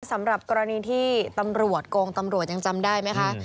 สำหรับกรณีที่ตำรวจโกงตำรวจยังจำได้ไหมคะ